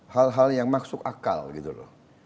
hal hal yang masuk akal gitu loh